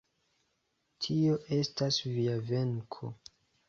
Tio estas via venko.